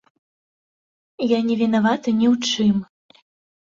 Я не вінавата ні ў чым.